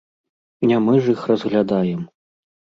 Не мы ж іх разглядаем!